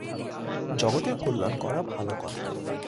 জগতের কল্যাণ করা ভাল কথা।